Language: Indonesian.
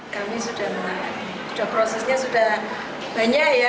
kami sudah prosesnya sudah banyak ya